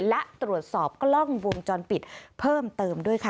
และตรวจสอบกล้องวงจรปิดเพิ่มเติมด้วยค่ะ